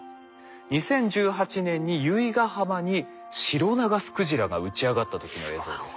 ２０１８年に由比ガ浜にシロナガスクジラが打ち上がった時の映像です。